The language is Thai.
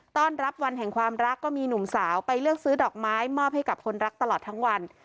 ต้อนรับวันแห่งความรักก็มีหนุ่มสาวไปเลือกซื้อดอกไม้มอบให้กับคนรักตลอดทั้งวัน